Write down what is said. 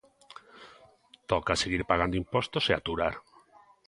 Toca seguir pagando impostos e aturar.